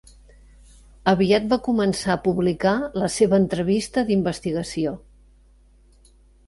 Aviat va començar a publicar la seva entrevista d'investigació.